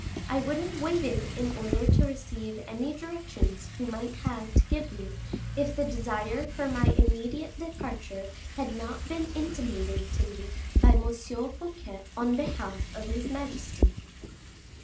I would have waited in order to receive any directions he might have to give me, if the desire for my immediate departure had not been intimated to me by M. Fouquet on behalf of his majesty."